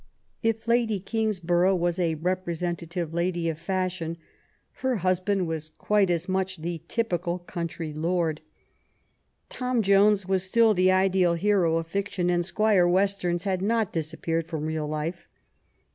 If Lady Eingsborough was a representative lady of fashion^ her husband was quite as much the typical country lord. Tom Jones was still the ideal hero of fiction, and Squire Westerns had not disappeared from real life.